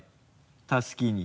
たすきに。